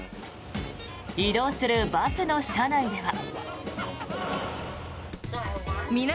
移動するバスの車内では。